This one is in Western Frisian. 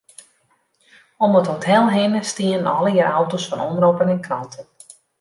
Om it hotel hinne stiene allegearre auto's fan omroppen en kranten.